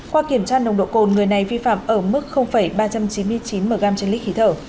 qua kiểm tra nồng độ cồn người này vi phạm ở mức ba trăm chín mươi chín mg trên lít khí thở